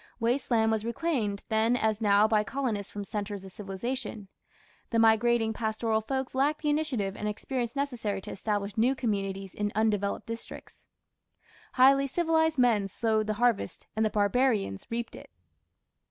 Waste land was reclaimed then as now by colonists from centres of civilization; the migrating pastoral folks lacked the initiative and experience necessary to establish new communities in undeveloped districts. Highly civilized men sowed the harvest and the barbarians reaped it.